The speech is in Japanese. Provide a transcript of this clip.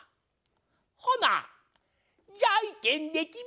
ほなじゃいけんできめよか。